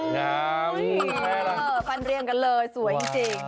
น้ำฟันเรียงกันเลยสวยจริง